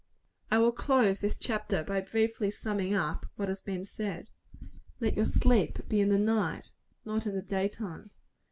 I will close this chapter by briefly summing up what has been said. Let your sleep be in the night; not in the day time.